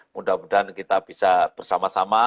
mudah mudahan kita bisa bersama sama